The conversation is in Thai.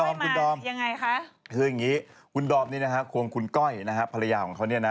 พี่ศรีคุณดอมควงคุณก้อยมายังไงคะ